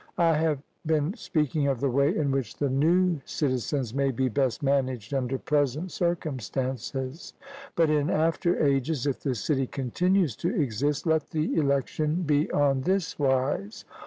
I have been speaking of the way in which the new citizens may be best managed under present circumstances; but in after ages, if the city continues to exist, let the election be on this wise.